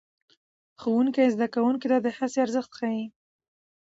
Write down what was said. ښوونکی زده کوونکو ته د هڅې ارزښت ښيي